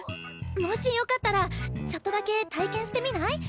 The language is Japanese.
もしよかったらちょっとだけ体験してみない？